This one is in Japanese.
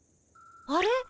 あれ？